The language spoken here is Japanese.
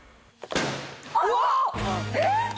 うわっ！